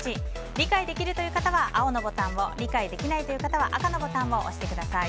理解できるという方は青のボタン理解できないという方は赤のボタンを押してください。